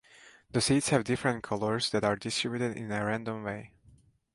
The seats have different colours that are distributed in a random way.